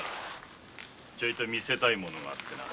ちょいと見せたいものがあってな。